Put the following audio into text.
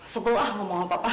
sebelah ngomong apa pak